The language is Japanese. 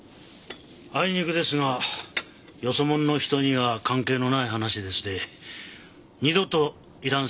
あいにくですがよそ者の人には関係のない話ですて二度といらん